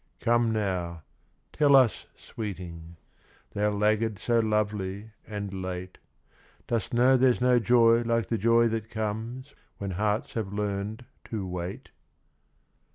Come now tell us, sweeting, Thou laggard so lovely and late, Dost know there's no joy like the joy that comes When hearts have learned to wait?